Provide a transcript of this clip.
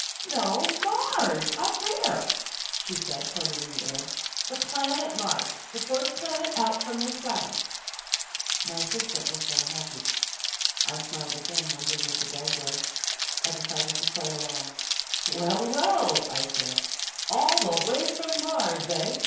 "No, Mars! Up there," she said, pointing up in the air. "The planet Mars. The fourth planet out from the sun." My assistant looked unhappy. I smiled again, wondering what the gag was. I decided to play along. "Well, well," I said, "all the way from Mars, eh?